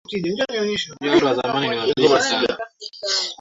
na mifano mibaya ya wazazi huchangia pia tatizo hilo